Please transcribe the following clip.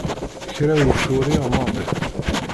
Kra ur t-uriɣ maḍi.